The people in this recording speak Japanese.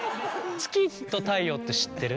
月と太陽って知ってる？